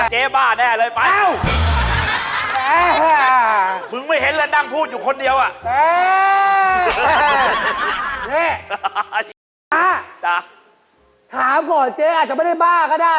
เฮ้ยไปพวกเรากลับเถอะ